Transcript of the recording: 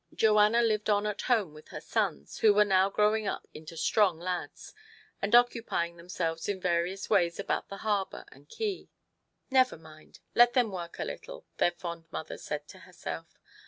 Joanna lived on at home with her sons, who were now growing up into strong lads, and occupying themselves in various ways about the harbour and quay. " Never mind, let them work a little," their fond mother said to herself.